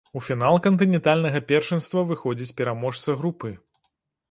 У фінал кантынентальнага першынства выходзіць пераможца групы.